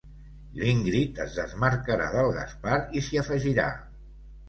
L'Ingrid es desmarcarà del Gaspar i s'hi afegirà.